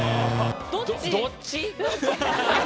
どっち？